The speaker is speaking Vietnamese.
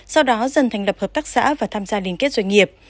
sau đó dần thành lập hợp tác xã và tham gia liên kết doanh nghiệp